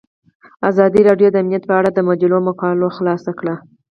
ازادي راډیو د امنیت په اړه د مجلو مقالو خلاصه کړې.